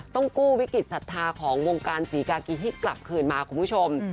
ต้องกู้วิกฤตศัฐรย์ของวงการสีกากีฮิกกลับขึนมาคุณผู้ชม